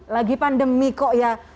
lagi pandemi kok ya